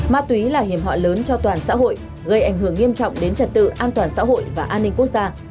ma túy là hiểm họa lớn cho toàn xã hội gây ảnh hưởng nghiêm trọng đến trật tự an toàn xã hội và an ninh quốc gia